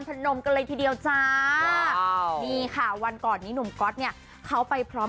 นมกันเลยทีเดียวจ้านี่ค่ะวันก่อนนี้หนุ่มก๊อตเนี่ยเขาไปพร้อม